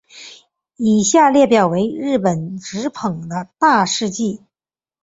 以下列表为日本职棒的大事纪。